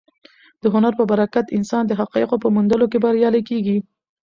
د هنر په برکت انسان د حقایقو په موندلو کې بریالی کېږي.